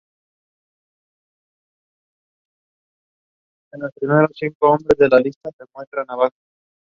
Al lado del refugio hay una fuente de agua potable.